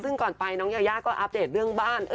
ซึ่งก่อนไปน้องยายาก็อัปเดตเรื่องบ้าน